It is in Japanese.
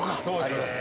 あります。